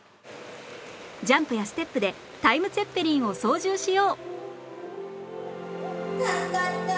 ジャンプやステップでタイムツェッペリンを操縦しよう！